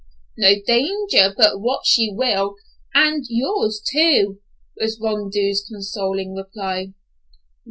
"No danger but what she will, and yours too," was Rondeau's consoling reply.